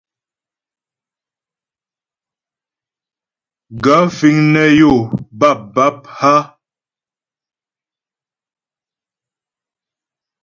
Gaə̂ fíŋ nə́ yó bâpbǎp a ?